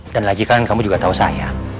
dan lagi kan kamu juga tahu saya